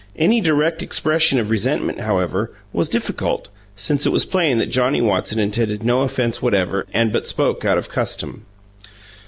Any direct expression of resentment, however, was difficult, since it was plain that Johnnie Watson intended no offense whatever and but spoke out of custom.